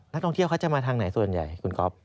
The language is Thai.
นักท่องเที่ยวเขาจะมาทางไหนส่วนใหญ่คุณก๊อฟ